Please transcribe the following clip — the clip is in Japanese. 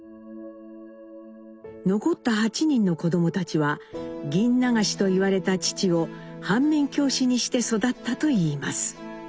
残った８人の子供たちは「銀流し」と言われた父を反面教師にして育ったといいます。